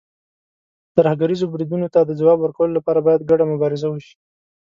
ترهګریزو بریدونو ته د ځواب ورکولو لپاره، باید ګډه مبارزه وشي.